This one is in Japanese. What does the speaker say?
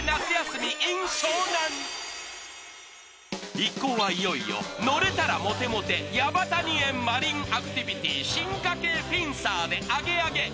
一行はいよいよ、「乗れたらモテモテやばたにえんマリンアクティビティー進化形フィンサーでアゲアゲ！」